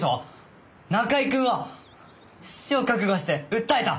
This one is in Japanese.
中居くんは死を覚悟して訴えた！